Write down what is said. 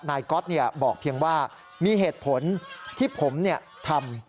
ก๊อตบอกเพียงว่ามีเหตุผลที่ผมทำ